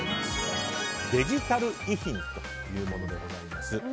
デジタル遺品というものです。